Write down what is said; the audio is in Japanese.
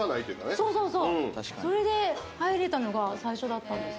そうそうそうそれで入れたのが最初だったんです